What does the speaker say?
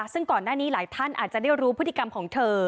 ซึ่งก่อนหน้านี้หลายท่านอาจจะได้รู้พฤติกรรมของเธอ